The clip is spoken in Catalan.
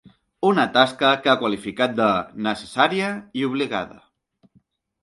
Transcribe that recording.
Una tasca que ha qualificat de ‘necessària i obligada’.